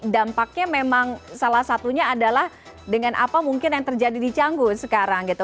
dampaknya memang salah satunya adalah dengan apa mungkin yang terjadi di canggu sekarang gitu